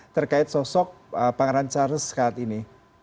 terkait sosok pak rancarres saat ini